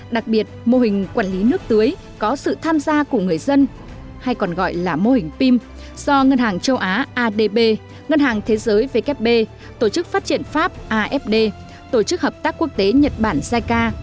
đặc biệt mô hình quản lý nước tưới có sự tham gia của người dân hay còn gọi là mô hình pin do ngân hàng châu á adb ngân hàng thế giới vkp tổ chức phát triển pháp afd tổ chức hợp tác quốc tế nhật bản jica